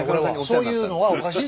そういうのはおかしい。